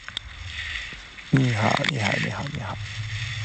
恐惧心痛的时刻